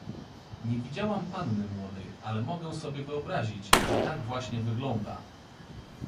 Nie widziałam panny młodej, ale mogę sobie wyobrazić, że tak właśnie wygląda!